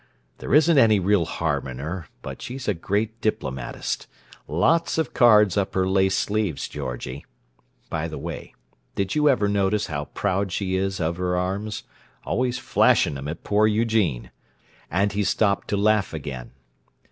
There isn't any real harm in her, but she's a great diplomatist—lots of cards up her lace sleeves, Georgie! By the way, did you ever notice how proud she is of her arms? Always flashing 'em at poor Eugene!" And he stopped to laugh again.